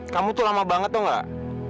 kamu tuh lama banget tuh gak